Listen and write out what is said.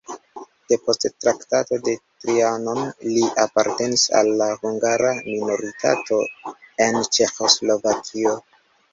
Depost Traktato de Trianon li apartenis al la hungara minoritato en Ĉeĥoslovakio.